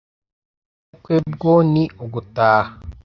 ubukwe bwo ni ugutaha.»